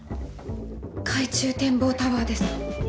海中展望タワーです。